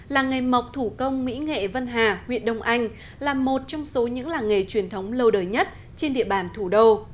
làng nghề mộc thủ công mỹ nghệ vân hà huyện đông anh là một trong số những làng nghề truyền thống lâu đời nhất trên địa bàn thủ đô